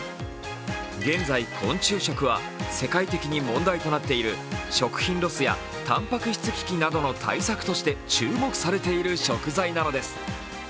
現在、昆虫食は世界的に問題となっている食品ロスやたんぱく質危機などの対策として注目されている食材なのです。